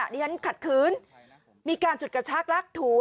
ดิฉันขัดขืนมีการจุดกระชากลักถู